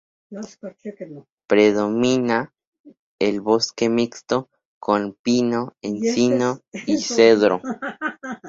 Predomina el bosque mixto, con pino, encino y cedro.